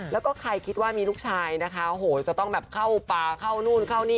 แล้วก็ใครคิดว่ามีลูกชายนะคะโหจะต้องแบบเข้าป่าเข้านู่นเข้านี่